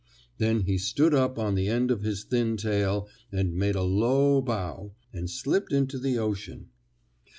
Then he stood up on the end of his thin tail and made a low bow, and slipped into the ocean.